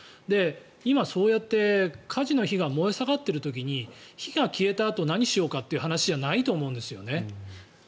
今、そうやって火事の火が燃え盛っている時に火が消えたあとに何しようかという話じゃないと思うんですね。